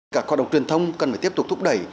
các hoạt động truyền thông cần phải tiếp tục thúc đẩy